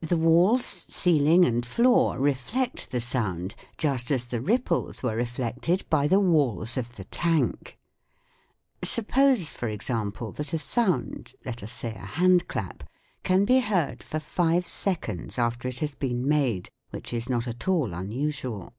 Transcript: The walls, ceiling, and floor reflect the sound just as the ripples were reflected by the walls of the tank. Suppose, for example, that a sound, let us say a handclap, can be heard for five seconds after it has been made, which is not at all unusual.